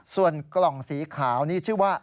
ส่วนกล่องสีขาวนี่ชื่อว่า